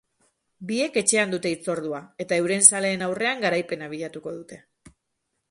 Biek etxean dute hitzordua, eta euren zaleen aurrean garaipena bilatuko dute.